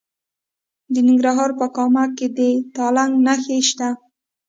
د ننګرهار په کامه کې د تالک نښې شته.